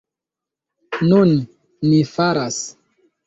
Nun, ni faras!